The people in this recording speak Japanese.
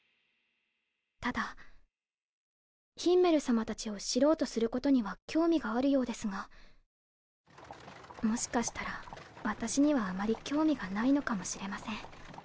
ただヒンメル様たちを知ろうとすることには興味があるようですがもしかしたら私にはあまり興味がないのかもしれません。